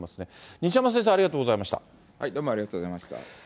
西山先生、ありがとうございましどうもありがとうございまし